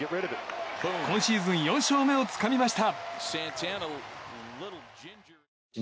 今シーズン４勝目をつかみました。